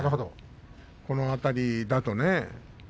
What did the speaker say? この辺りだとね。